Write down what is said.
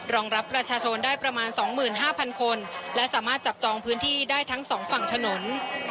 รองรับประชาชนได้ประมาณ๒๕๐๐คนและสามารถจับจองพื้นที่ได้ทั้งสองฝั่งถนน